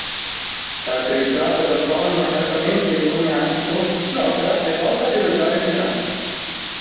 Caratterizzata da un tono marcatamente encomiastico, l'opera è volta ad elogiare Milano.